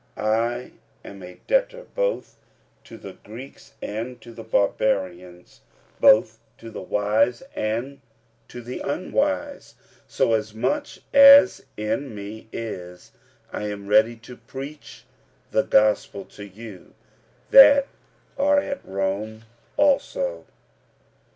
45:001:014 I am debtor both to the Greeks, and to the Barbarians; both to the wise, and to the unwise. 45:001:015 So, as much as in me is, I am ready to preach the gospel to you that are at Rome also.